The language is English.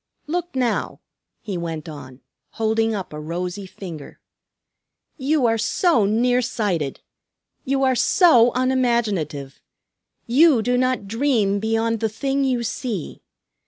"Look now!" he went on, holding up a rosy finger. "You are so near sighted! You are so unimaginative! You do not dream beyond the thing you see.